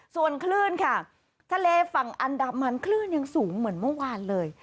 ส่วนคลื่นค่ะทะเลฝั่งอันดามันคลื่นยังสูงเหมือนเมื่อวานเลย